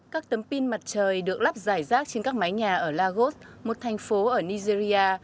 các tấm pin mặt trời được lắp dài rác trên các mái nhà ở lagos một thành phố ở nigeria